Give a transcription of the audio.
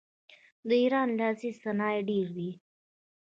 د ایران لاسي صنایع ډیر دي.